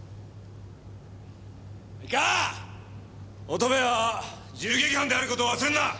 乙部は銃撃犯である事を忘れるな！